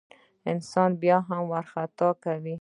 انسان بیا هم خطا کوي.